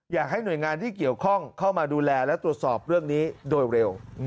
อยากให้หน่วยงานที่เกี่ยวข้องเข้ามาดูแลและตรวจสอบเรื่องนี้โดยเร็ว